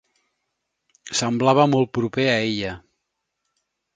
Semblava molt proper a ella.